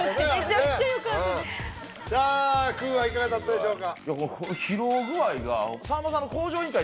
くーはいかがだったでしょうか？